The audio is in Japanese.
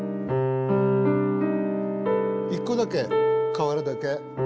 １個だけ変わるだけ。